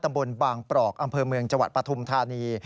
ตำบลบางปรอกอำเภอเมืองจวัดปฐมธานี